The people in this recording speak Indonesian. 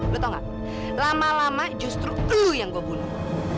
lu tau gak lama lama justru pelu yang gue bunuh